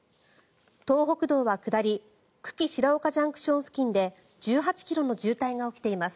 東北道は下り久喜白岡ＪＣＴ付近で１８ｋｍの渋滞が起きています。